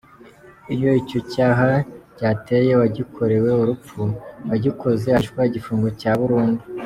Iyo icyo cyaha cyateye uwagikorewe urupfu, uwagikoze ahanishwa igifungo cya burundu.